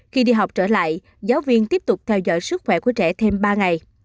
khi đi học trở lại giáo viên tiếp tục theo dõi sức khỏe của trẻ thêm ba ngày